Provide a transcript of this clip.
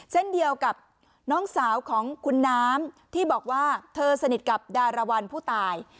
เช่นเดียวกับน้องสาวของคุณน้ำที่บอกว่าเธอสนิทกับดารวรรณผู้ตาย